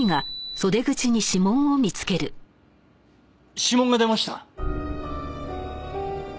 指紋が出ました。